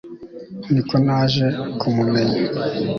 niko naje kumumenya